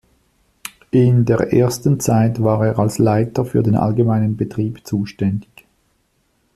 In der ersten Zeit war er als Leiter für den Allgemeinen Betrieb zuständig.